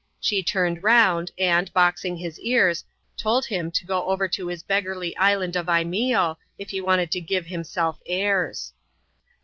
She turned round, and, boxing his ears, told him to go over to his beggarly ishmd of Imeeo, if he wanted to give himself airs.